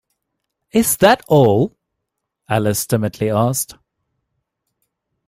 ‘Is that all?’ Alice timidly asked.